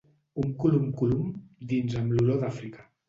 «Umkulumkulum», dins Amb l'olor d'Àfrica.